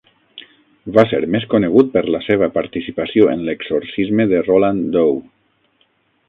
Va ser més conegut per la seva participació en l'exorcisme de Roland Doe.